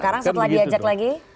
sekarang setelah diajak lagi